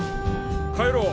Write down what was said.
帰ろう！